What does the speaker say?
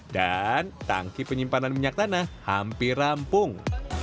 dan tangki penyimpanan minyak tanah hampir rampung